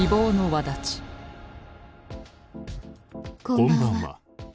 こんばんは。